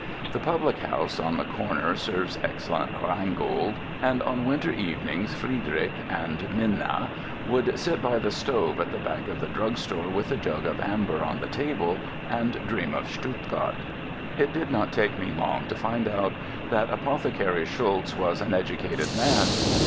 The public house on the corner serves excellent Rheingold, and on winter evenings Friedrich and Minna would sit by the stove at the back of the drugstore with a jug of amber on the table and dream of Stuttgart. It did not take me long to find out that apothecary Schulz was an educated man.